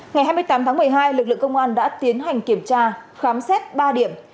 ngày hai mươi tám tháng một mươi hai lực lượng công an đã tiến hành kiểm tra khám xét ba điểm